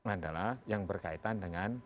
adalah yang berkaitan dengan